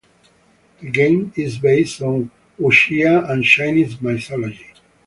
The game is based on Wuxia and Chinese mythology.